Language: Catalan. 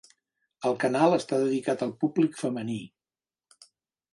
El canal està dedicat al públic femení.